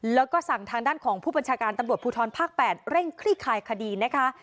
แล้วก็สั่งทางด้านของผู้บัญชาการตำรวจภูทรภาค๘เร่งคลี่คลายคดีนะคะ